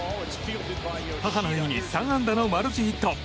母の日に３安打のマルチヒット。